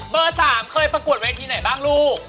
เบอร์๓เคยประกวดวัยทีไหนบ้างลูก